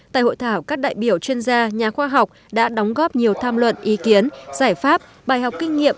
tại hội thảo các đại biểu chuyên gia nhà khoa học đã đóng góp nhiều tham luận ý kiến giải pháp bài học kinh nghiệm